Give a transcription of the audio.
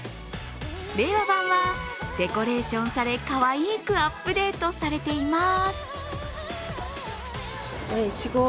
令和版はデコレーションされかわいくアップデートされています。